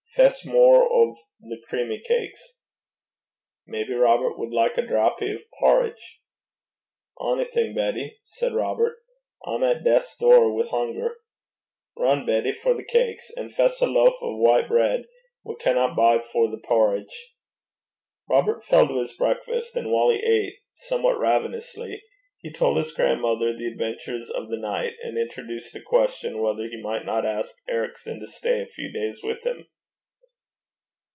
Fess mair o' the creamy cakes.' 'Maybe Robert wad like a drappy o' parritch.' 'Onything, Betty,' said Robert. 'I'm at deith's door wi' hunger.' 'Rin, Betty, for the cakes. An' fess a loaf o' white breid; we canna bide for the parritch.' Robert fell to his breakfast, and while he ate somewhat ravenously he told his grandmother the adventures of the night, and introduced the question whether he might not ask Ericson to stay a few days with him.